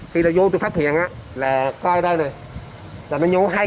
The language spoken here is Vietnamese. khi nó vô tôi phát hiện là coi đây này là nó nhổ hai cây và nó sẽ đừng mất một cây